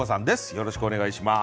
よろしくお願いします。